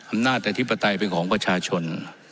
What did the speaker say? อำนาจอธิปไตยเป็นของประชาชน